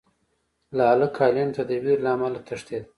لاک هالېنډ ته د وېرې له امله تښتېد.